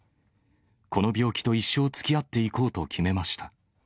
この病気と一生つきあっていこうと決めました。